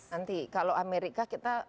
nanti kalau amerika kita